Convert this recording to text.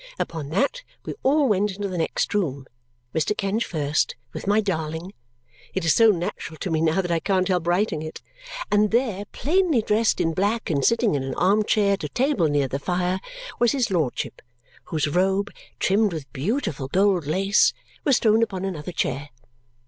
Upon that, we all went into the next room, Mr. Kenge first, with my darling it is so natural to me now that I can't help writing it; and there, plainly dressed in black and sitting in an arm chair at a table near the fire, was his lordship, whose robe, trimmed with beautiful gold lace, was thrown upon another chair.